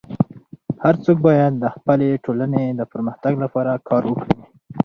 هر څوک باید د خپلي ټولني د پرمختګ لپاره کار وکړي.